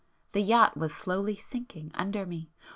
the yacht was slowly sinking under me!